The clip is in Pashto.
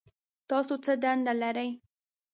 تاسو څه دنده لرئ؟